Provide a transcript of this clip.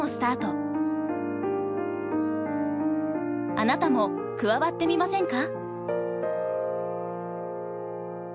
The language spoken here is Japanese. あなたも加わってみませんか？